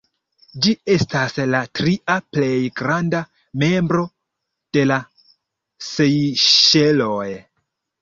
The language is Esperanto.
Ĝi estas la tria plej granda membro de la Sejŝeloj.